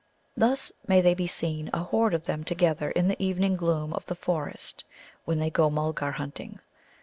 Thus may they be seen, a horde of them together in the evening gloom of the forest when they go Mulgar hunting.